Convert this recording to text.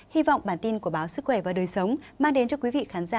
hy vọng bản tin của báo sức khỏe và đời sống mang đến cho quý vị khán giả